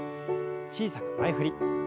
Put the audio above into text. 小さく前振り。